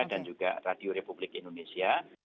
dan juga radio republik indonesia